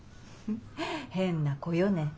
変な子よね。